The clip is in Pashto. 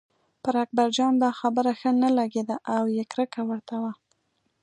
پر اکبرجان دا خبره ښه نه لګېده او یې کرکه ورته وه.